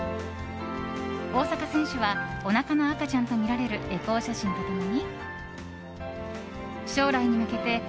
大坂選手はおなかの赤ちゃんとみられるエコー写真と共に。